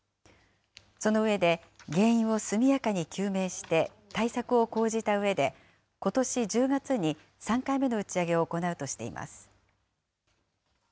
その上で、原因を速やかに究明して、対策を講じたうえで、ことし１０月に３回目の打ち上げを行うとしています。